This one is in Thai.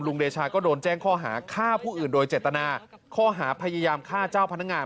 เดชาก็โดนแจ้งข้อหาฆ่าผู้อื่นโดยเจตนาข้อหาพยายามฆ่าเจ้าพนักงาน